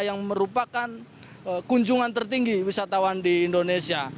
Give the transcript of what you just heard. yang merupakan kunjungan tertinggi wisatawan di indonesia